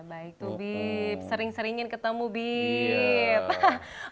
baik tuh bib sering seringin ketemu bib